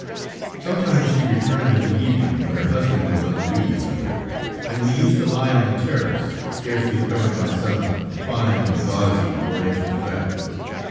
Sometimes she returned in the evening, when her husband was on duty somewhere, and we used to lie on the terrace, scarcely covered by some fine, gauzy, Oriental fabric.